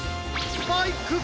スパイク！